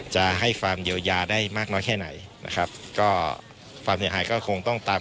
จะให้ความเยียวยาได้มากน้อยแค่ไหนนะครับก็ความเสียหายก็คงต้องตาม